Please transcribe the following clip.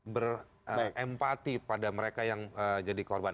berempati pada mereka yang jadi korban